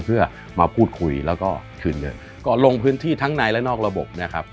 เพื่อมาพูดคุยแล้วก็คืนเงินก่อนลงพื้นที่ทั้งในและนอกระบบนะครับ